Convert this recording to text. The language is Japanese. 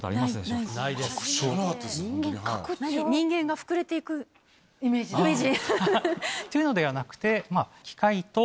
人間が膨れて行くイメージ。というのではなくて。